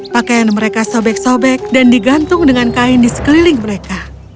pakaian mereka sobek sobek dan digantung dengan kain di sekeliling mereka